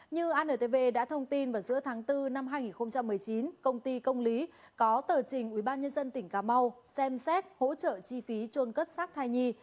như antv đã thông tin vào giữa tháng bốn năm hai nghìn một mươi chín công ty công lý có tờ trình ubnd tỉnh cà mau xem xét hỗ trợ chi phí trôn cất sắc thai nhi